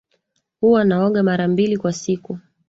Huwa naoga mara mbili kwa siku